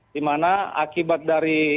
di mana akibat dari